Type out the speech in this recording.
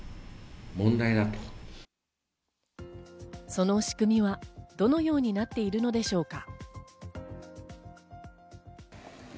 その仕組みはどのようになっているのでしょうか。